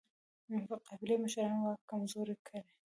د قبایلي مشرانو واک کمزوری کړ.